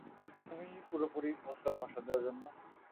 তুমি পুরোপুরি প্রস্তুত ভাষণ দেওয়ার জন্য?